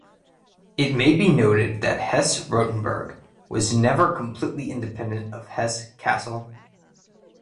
It may be noted that Hesse-Rotenburg was never completely independent of Hesse-Kassel.